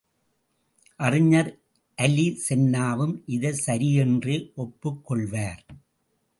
அறிஞர் அலிசென்னாவும் இதைச் சரியென்றே ஒப்புக் கொள்வார்.